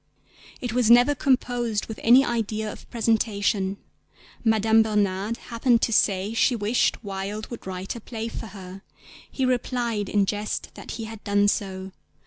It was never composed with any idea of presentation. Madame Bernhardt happened to say she wished Wilde would write a play for her; he replied in jest that he had done so.